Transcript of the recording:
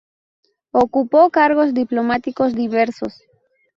Ocupó cargos diplomáticos diversos.